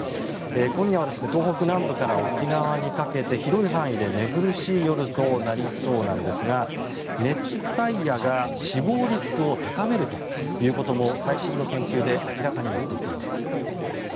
今夜は東北南部から沖縄にかけて広い範囲で寝苦しい夜となりそうなんですが熱帯夜が死亡リスクを高めるということも最新の研究で明らかになってきています。